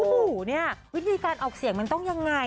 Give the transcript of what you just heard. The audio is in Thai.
หมูเนี่ยวิธีการออกเสียงมันต้องยังไง